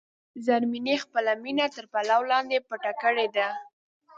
زرمینې خپله مینه تر پلو لاندې پټه کړې ده.